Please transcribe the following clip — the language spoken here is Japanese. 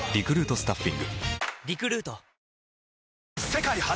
世界初！